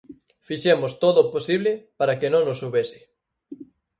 Fixemos todo o posible para que non os houbese.